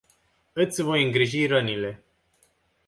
Iti voi ingriji ranile.